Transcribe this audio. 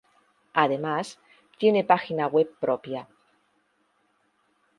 Además, tiene página web propia.